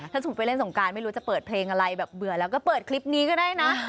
ถ้าสมมุติไปเล่นสงการไม่รู้จะเปิดเพลงอะไรแบบเบื่อแล้วก็เปิดคลิปนี้ก็ได้นะ